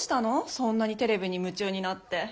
そんなにテレビにむちゅうになって。